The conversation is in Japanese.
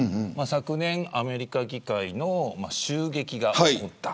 昨年アメリカ議会の襲撃が起こった。